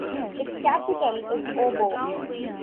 Its capital is Obo.